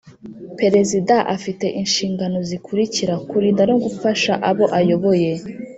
Perezida afite inshingano zikurikira kurinda no gufasha abo ayoboye